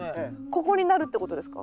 ここになるってことですか？